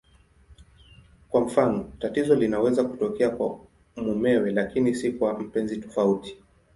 Kwa mfano, tatizo linaweza kutokea kwa mumewe lakini si kwa mpenzi tofauti.